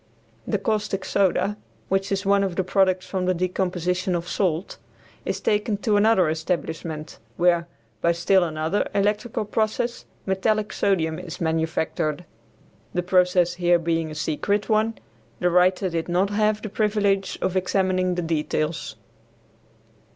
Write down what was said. The caustic soda, which is one of the products from the decomposition of salt, is taken to another establishment, where, by still another electrical process, metallic sodium is manufactured. The process here being a secret one, the writer did not have the privilege of examining the details.